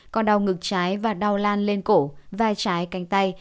còn đau ngực trái và đau lan lên cổ vai trái canh tay